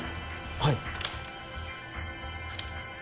はい。